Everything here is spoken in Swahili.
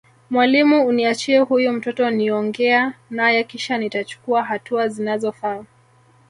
mwalimu uniachie huyu mtoto niongea naye kisha nitachukua hatua zinazofaa